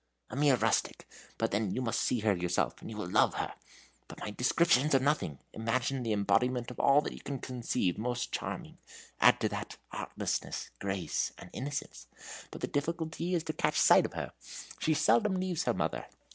"A mere rustic; but then you must see her yourself, and you will love her. But my descriptions are nothing. Imagine the embodiment of all that you can conceive most charming add to that, artlessness, grace, and innocence. But the difficulty is to catch sight of her. She seldom leaves her mother.